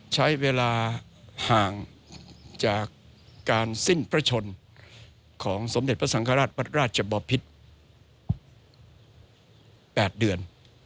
ใช้เวลาห่างจากการสิ้นพระชนของสมเด็จพระสังฆราชวัดราชบอพิษ๘เดือน